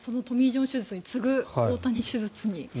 トミー・ジョン手術を継ぐ大谷手術になる。